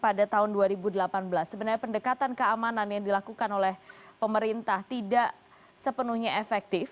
pada tahun dua ribu delapan belas sebenarnya pendekatan keamanan yang dilakukan oleh pemerintah tidak sepenuhnya efektif